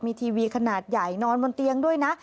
มีทีวีขนาดใหญ่นอนบนเตียงด้วยนะ